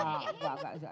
enggak enggak enggak